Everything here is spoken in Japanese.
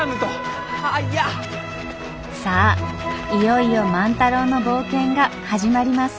さあいよいよ万太郎の冒険が始まります。